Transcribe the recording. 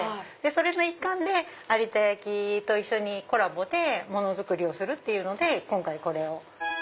それの一環で有田焼と一緒にコラボで物作りをするっていうので今回これを。